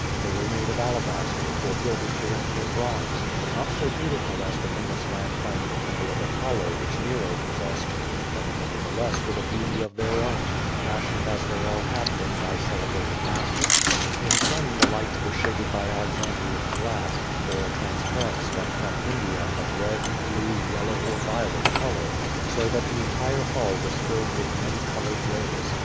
They were made of alabaster, or gilded Corinthian bronze, not so beautiful as the famous lamp from the temple of Apollo which Nero possessed, but nevertheless with a beauty of their own, fashioned as they all had been by celebrated masters* In some the lights were shaded by Alexandriangla88,oratran8 parent stuff from India of red, blue, yellow, or violet color, so that the entire hall was filled with many colored rays.